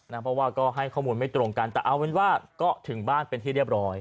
เพราะว่าก็ให้ข้อมูลไม่ตรงกันแต่เอาเป็นว่าก็ถึงบ้านเป็นที่เรียบร้อย